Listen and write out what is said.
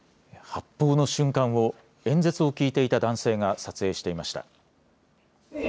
発砲の瞬間を演説を聞いていた男性が撮影していました。